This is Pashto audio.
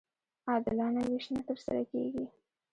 عادلانه وېش نه ترسره کېږي.